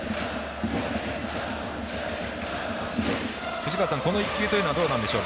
藤川さん、この１球というのはどうなんでしょう